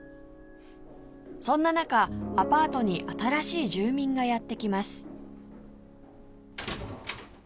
そんな中アパートに新しい住民がやって来ます